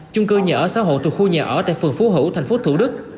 chung cư nhà ở xã hội từ khu nhà ở tại phường phú hữu thành phố thủ đức